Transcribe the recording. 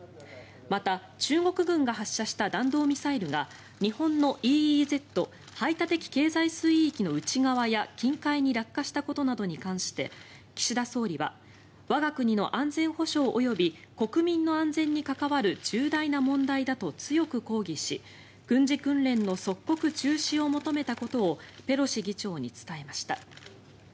また、中国軍が発射した弾道ミサイルが日本のＥＥＺ・排他的経済水域の内側や近海に落下したことに対して岸田総理は我が国の安全保障及び国民の安全に関わる重大な問題だと強く抗議し軍事訓練の即刻中止を求めたことをペロシ議長に伝えました。